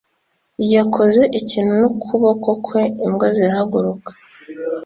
yakoze ikintu n'ukuboko kwe imbwa zirahaguruka